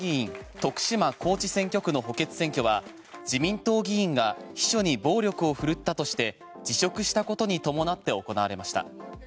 徳島・高知選挙区の補欠選挙は自民党議員が秘書に暴力を振るったとして辞職したことに伴って行われました。